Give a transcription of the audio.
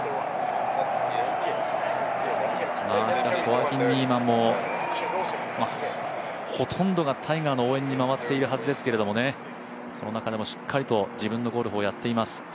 しかしホアキン・ニーマンもほとんどがタイガーの応援に回っているはずですけどね、その中でもしっかりと自分のゴルフをやっています。